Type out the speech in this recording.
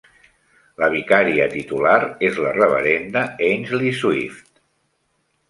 La vicària titular és la reverenda Ainsley Swift.